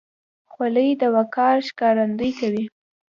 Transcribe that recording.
خولۍ د وقار ښکارندویي کوي.